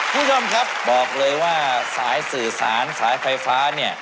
ผู้ชมครับบอกเลยว่าสายสื่อสารสายไฟฟ้า